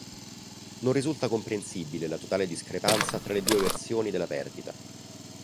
Non risulta comprensibile la totale discrepanza tra le due versioni della perdita.